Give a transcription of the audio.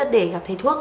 để gặp thầy thuốc